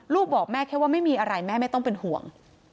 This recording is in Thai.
บอกแม่แค่ว่าไม่มีอะไรแม่ไม่ต้องเป็นห่วง